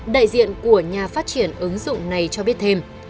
đại diện của nhà phát triển ứng dụng này cho biết thêm